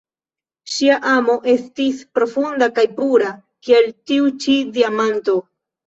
Ŝia amo estis profunda kaj pura, kiel tiu ĉi diamanto.